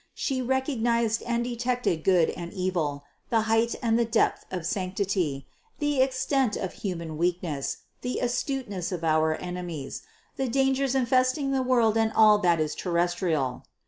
She recognized and detected good and evil, the height and the depth of sanctity, the extent of human weakness, the astuteness of our enemies, the dangers infesting the world and all that is terrestrial.